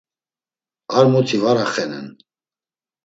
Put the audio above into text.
Arti muti var axenen.